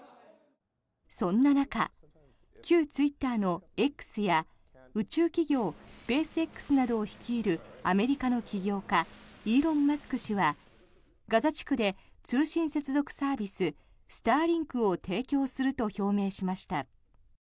そんな中、旧ツイッターのＸや宇宙企業スペースＸなどを率いるアメリカの起業家イーロン・マスク氏はガザ地区で、通信接続サービススターリンクを提供すると表明しました。